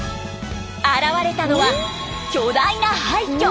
現れたのは巨大な廃虚。